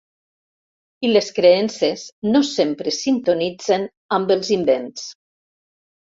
I les creences no sempre sintonitzen amb els invents.